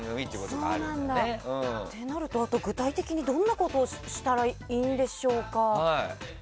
となると、具体的にどんなことをしたらいいんでしょうか。